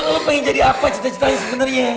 emang lo pengen jadi apa cita citanya sebenernya